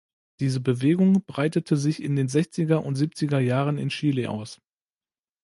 Diese Bewegung breitete sich in den sechziger und siebziger Jahren in Chile aus.